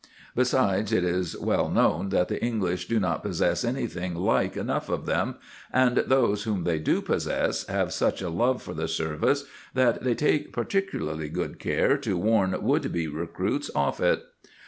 Besides, it is well known that the English do not possess anything like enough of them, and those whom they do possess have such a love for the service that they take particularly good care to warn would be recruits off it.